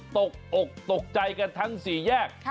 ตกอกตกใจกันทั้งสี่แยก